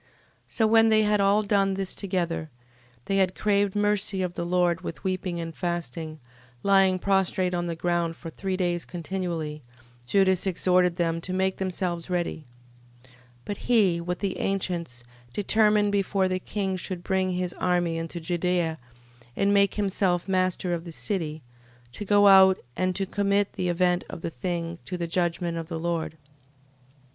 13:12. So when they had all done this together, and had craved mercy of the Lord with weeping and fasting, lying prostrate on the ground for three days continually, Judas exhorted them to make themselves ready. 13:13. But he, with the ancients, determined before the king should bring his army into Judea, and make himself master of the city, to go out, and to commit the event of the thing to the judgment of the Lord. 13:14.